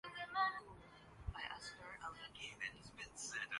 یہ خوش آئند بات ہو گی۔